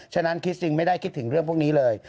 ฉะนั้นคิสซิงไม่ได้คิดถึงเรื่องพวกนี้เลย